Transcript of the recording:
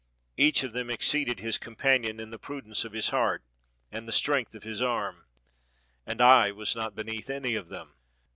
Each of them exceeded his companion in the pru dence of his heart and the strength of his arm, and I was not beneath any of them.